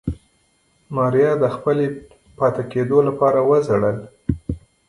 ماريا د خپلې پاتې کېدو لپاره وژړل.